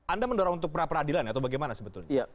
anda mendorong untuk pra peradilan atau bagaimana sebetulnya